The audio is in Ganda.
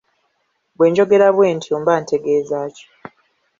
Bwe njogera bwe ntyo mba ntegeeza ki?